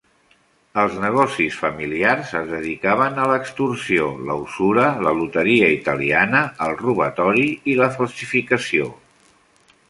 Els negocis familiars es dedicaven a l'extorsió, la usura, la loteria italiana, el robatori i la falsificació.